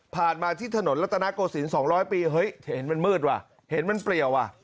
มาที่ถนนรัตนโกศิลป๒๐๐ปีเฮ้ยเห็นมันมืดว่ะเห็นมันเปรียวอ่ะ